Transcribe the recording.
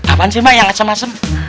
apaan sih mak yang asem asem